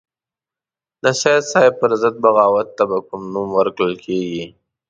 د سید صاحب پر ضد بغاوت ته به کوم نوم ورکول کېږي.